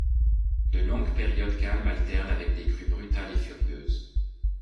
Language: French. De longues périodes calmes alternent avec des crues brutales et furieuses.